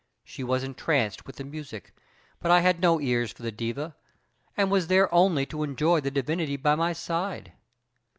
She was entranced with the music, but I had no ears for the diva, and was there only to enjoy the divinity by my side.